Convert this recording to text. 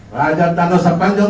raja tanah selatan